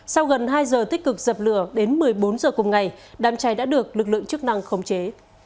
sau gần hai giờ tích cực dập lửa đến một mươi bốn h cùng ngày đám cháy đã được lực lượng chức năng khống chế